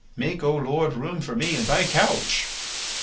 Make, O my lord, room for me in thy couch.